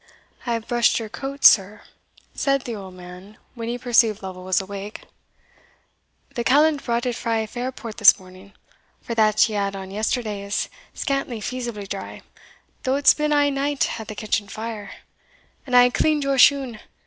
"I have brushed your coat, sir," said the old man, when he perceived Lovel was awake; "the callant brought it frae Fairport this morning, for that ye had on yesterday is scantly feasibly dry, though it's been a' night at the kitchen fire; and I hae cleaned your shoon.